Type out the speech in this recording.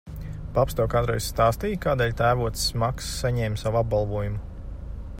Paps tev kādreiz stāstīja, kādēļ tēvocis Maks saņēma savu apbalvojumu?